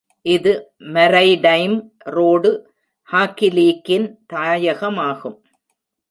இது maritime road hockey லீக்கின் தாயகமாகும்.